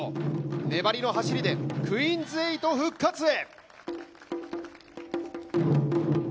粘りの走りでクイーンズエイト復活へ。